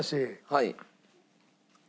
はい。